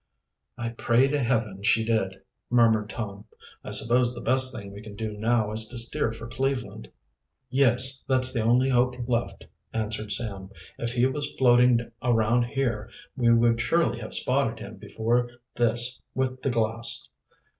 "I pray to Heaven she did," murmured Tom. "I suppose the best thing we can do now is to steer for Cleveland." "Yes, that's the only hope left," answered Sam. "If he was floating around here we would surely have spotted him before this with the glass."